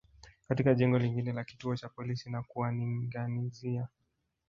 katika jengo lingine la kituo cha polisi na kuwaningâiniza